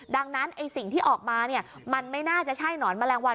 ดังนั้นสิ่งที่ออกมามันไม่น่าจะใช่นอนมะแรงวัน